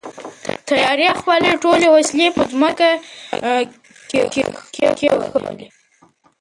تیارې خپلې ټولې وسلې په ځمکه کېښودلې.